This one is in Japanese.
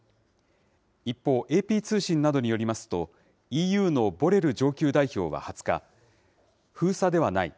一方、ＡＰ通信などによりますと、ＥＵのボレル上級代表は２０日、封鎖ではない。